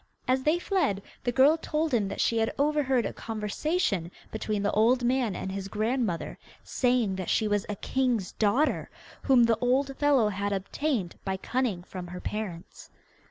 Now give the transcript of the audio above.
As they fled, the girl told him that she had overheard a conversation between the old man and his grandmother, saying that she was a king's daughter, whom the old fellow had obtained by cunning from her parents.